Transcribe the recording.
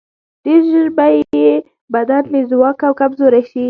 ډېر ژر به یې بدن بې ځواکه او کمزوری شي.